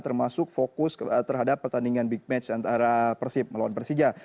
termasuk fokus terhadap pertandingan big match antara persib melawan persija